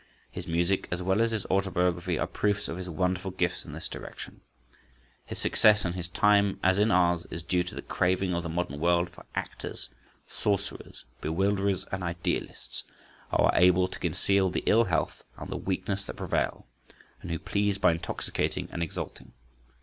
His music as well as his autobiography are proofs of his wonderful gifts in this direction. His success in his time, as in ours, is due to the craving of the modern world for actors, sorcerers, bewilderers and idealists who are able to conceal the ill health and the weakness that prevail, and who please by intoxicating and exalting.